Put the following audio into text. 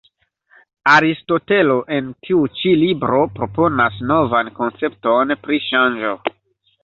Aristotelo en tiu ĉi libro proponas novan koncepton pri ŝanĝo.